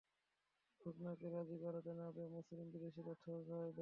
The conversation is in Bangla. রুকানাকে রাজি করাতে না পেরে মুসলিম বিদ্বেষীরা থ হয়ে যায়।